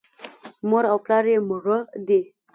مور او پلار یې مړه دي .